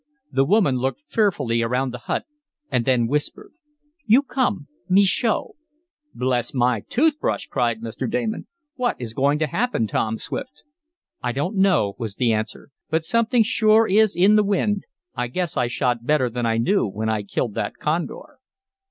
The woman looked fearfully around the hut and then whispered: "You come me show!" "Bless my toothbrush!" cried Mr. Damon. "What is going to happen, Tom Swift?" "I don't know," was the answer, "but something sure is in the wind. I guess I shot better than I knew when I killed that condor."